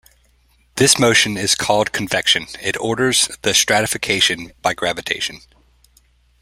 This motion is called convection, it orders the stratification by gravitation.